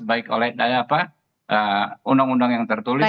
baik oleh undang undang yang tertulis